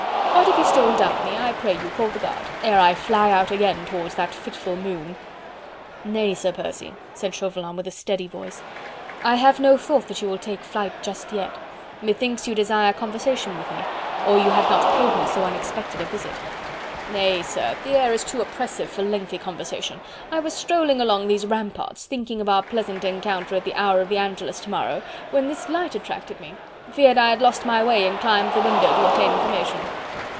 But if you still doubt me, I pray you call the guard... ere I fly out again towards that fitful moon..." "Nay, Sir Percy," said Chauvelin, with a steady voice, "I have no thought that you will take flight just yet.... Methinks you desire conversation with me, or you had not paid me so unexpected a visit." "Nay, sir, the air is too oppressive for lengthy conversation... I was strolling along these ramparts, thinking of our pleasant encounter at the hour of the Angelus to morrow... when this light attracted me.... feared I had lost my way and climbed the window to obtain information."